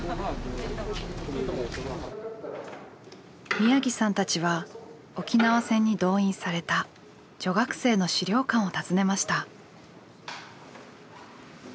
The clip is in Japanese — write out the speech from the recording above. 宮城さんたちは沖縄戦に動員された女学生の資料館を訪ねました。